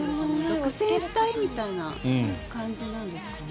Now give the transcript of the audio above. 独占したいみたいな感じなんですかね。